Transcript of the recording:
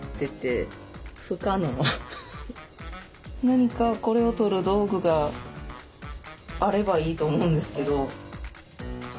何かこれを取る道具があればいいと思うんですけど。